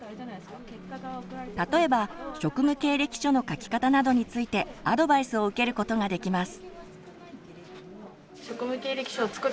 例えば「職務経歴書」の書き方などについてアドバイスを受けることができます。